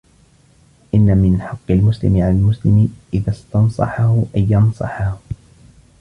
إنَّ مِنْ حَقِّ الْمُسْلِمِ عَلَى الْمُسْلِمِ إذَا اسْتَنْصَحَهُ أَنْ يَنْصَحَهُ